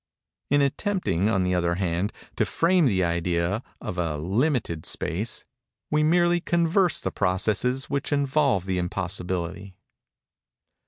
—In attempting, on the other hand, to frame the idea of a limited space, we merely converse the processes which involve the impossibility.